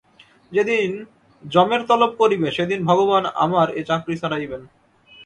যে দিন যমের তলব পড়িবে, সে দিন ভগবান আমার এ চাকরি ছাড়াইবেন।